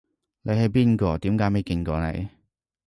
你係邊個？點解未見過你